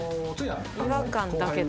違和感だけで。